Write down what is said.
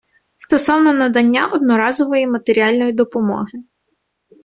Стосовно надання одноразової матеріальної допомоги.